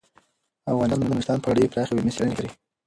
افغانستان د نورستان په اړه ډیرې پراخې او علمي څېړنې لري.